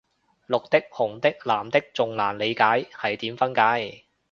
綠的紅的藍的仲難理解係點分界